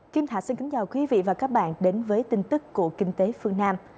kim thạch xin kính chào quý vị và các bạn đến với tin tức của kinh tế phương nam